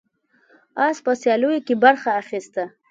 اس په سیالیو کې برخه اخیسته.